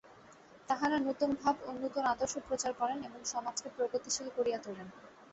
তাঁহারা নূতন ভাব ও নূতন আদর্শ প্রচার করেন এবং সমাজকে গতিশীল করিয়া তোলেন।